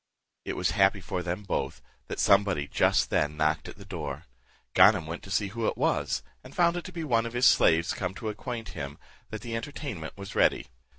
It was happy for them both, that somebody just then knocked at the door; Ganem went to see who it was, and found it to be one of his slaves come to acquaint him that the entertainment was ready.